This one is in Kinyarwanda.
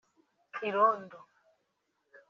irondo